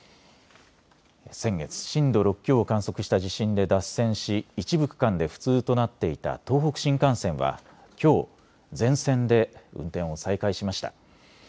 先月、震度６強を観測した地震で脱線し一部区間で不通となっていた東北新幹線はきょう、全線で運転を再開しました。